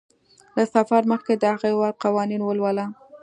له سفر مخکې د هغه هیواد قوانین ولوله.